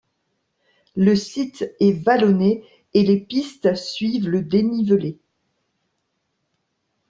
Le site est vallonné et les pistes suivent le dénivelé.